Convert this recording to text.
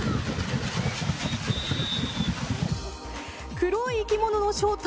黒い生き物の正体